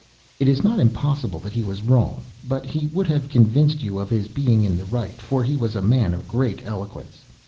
It is not impossible that he was wrong; but he would have convinced you of his being in the right; for he was a man of great eloquence.